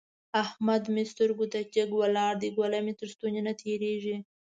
احمد مې سترګو ته جګ ولاړ دی؛ ګوله مې تر ستوني نه تېرېږي.